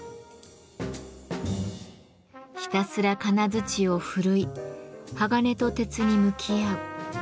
ひたすら金槌を振るい鋼と鉄に向き合う。